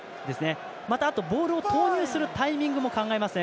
また、ボールを投入するタイミングも考えますね。